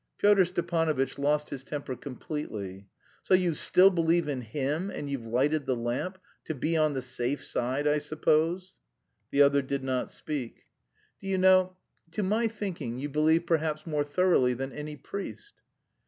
Pyotr Stepanovitch lost his temper completely. "So you still believe in Him, and you've lighted the lamp; 'to be on the safe side,' I suppose?" The other did not speak. "Do you know, to my thinking, you believe perhaps more thoroughly than any priest."